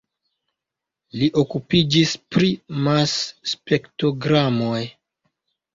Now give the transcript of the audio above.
Li okupiĝis pri Mas-spektrogramoj.